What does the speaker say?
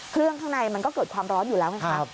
เครื่องข้างในมันก็เกิดความร้อนอยู่แล้วไงคะ